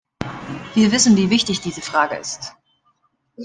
Wir wissen, wie wichtig diese Frage ist.